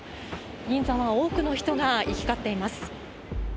銀座は多くの人が行き交っています。